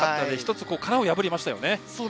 つ、殻を破りましたよね。